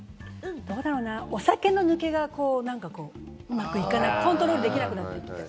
お酒の抜けがうまくいかない、コントロールできなくなってくる。